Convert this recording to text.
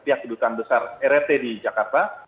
pihak kehidupan besar rat di jakarta